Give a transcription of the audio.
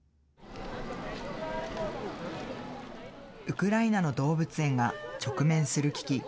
ウクライナの動物園が直面する危機。